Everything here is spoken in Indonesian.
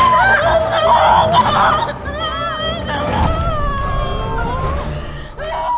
itu siapa yang taruh foto itu disitu di kamar saya buat